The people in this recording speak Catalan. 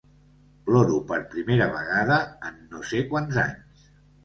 Ploro per primera vegada en no sé quants anys.